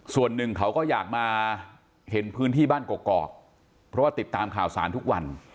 ส่วนหนึ่งเขาก็อยากมาเห็นพื้นที่บ้านกอกเพราะว่าติดตามข่าวสารทุกวัน